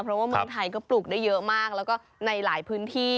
ปลูกได้เยอะมากแล้วก็ในหลายพื้นที่